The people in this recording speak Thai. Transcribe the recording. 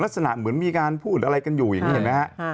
ลักษณะเหมือนมีการพูดอะไรกันอยู่อย่างนี้เห็นไหมฮะ